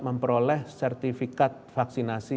memperoleh sertifikat vaksinasi